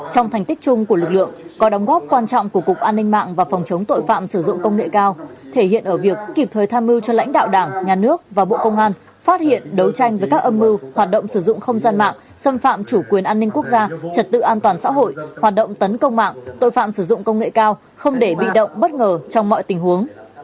trong thành tích chung của lực lượng có đóng góp quan trọng của cục an ninh mạng và phòng chống tội phạm sử dụng công nghệ cao thể hiện ở việc kịp thời tham mưu cho lãnh đạo đảng nhà nước và bộ công an phát hiện đấu tranh với các âm mưu hoạt động sử dụng không gian mạng xâm phạm chủ quyền an ninh quốc gia trật tự an toàn xã hội hoạt động tấn công mạng tội phạm sử dụng công nghệ cao không để bị động bất ngờ trong mọi tình huống